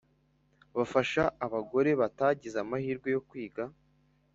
Bafasha abagore batagize amahirwe yo kwiga